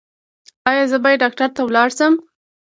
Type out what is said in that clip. ایا زه باید ډاکټر ته لاړ شم؟